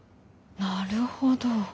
なるほど。